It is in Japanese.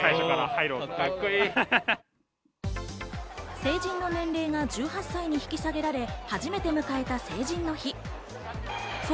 成人の年齢が１８歳に引き下げられ、初めて迎えた成人の日。